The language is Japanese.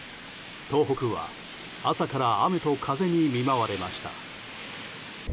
東北は朝から雨と風に見舞われました。